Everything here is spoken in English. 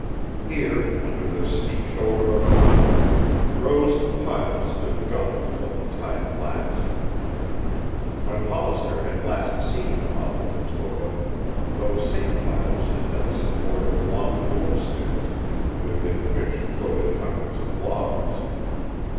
Here, under the steep shoulder of a mountain, rows of piles stood gaunt above the tide flats. When Hollister had last seen the mouth of the Toba, those same piles had been the support of long boom sticks, within which floated hundreds of logs.